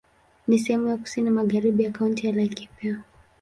Ni sehemu ya kusini magharibi ya Kaunti ya Laikipia.